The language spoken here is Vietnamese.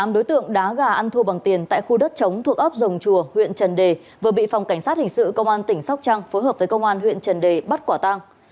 tám đối tượng đá gà ăn thua bằng tiền tại khu đất chống thuộc ấp dòng chùa huyện trần đề vừa bị phòng cảnh sát hình sự công an tỉnh sóc trăng phối hợp với công an huyện trần đề bắt quả tang